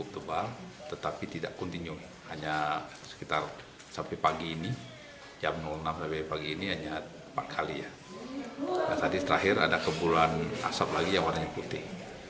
dan tadi terakhir ada kepuluhan asap lagi yang warnanya putih